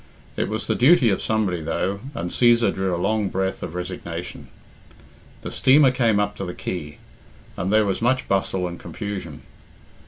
It was the duty of somebody, though, and Cæsar drew a long breath of resignation. The steamer came up to the quay, and there was much bustle and confusion.